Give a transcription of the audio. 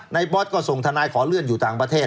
บอสก็ส่งทนายขอเลื่อนอยู่ต่างประเทศ